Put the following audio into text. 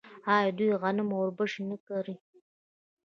آیا دوی غنم او وربشې نه کري؟